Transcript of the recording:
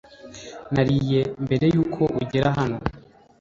Nariye mbere yuko ugera hano .